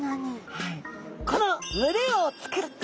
はい。